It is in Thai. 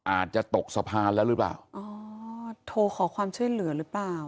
อาจจะตกสะพานแล้วหรือเปล่าอ๋อโทรขอความช่วยเหลือหรือเปล่า